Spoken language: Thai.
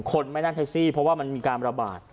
คนไม่นั่งแท็กซี่เพราะว่ามันมีการระบาด